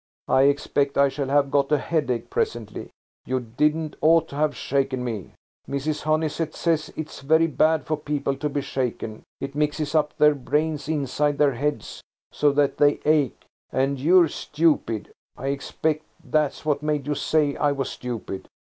I expect I shall have got a headache presently. You didn't ought to have shaken me. Mrs. Honeysett says it's very bad for people to be shaken–it mixes up their brains inside their heads so that they ache, and you're stupid. I expect that's what made you say I was stupid."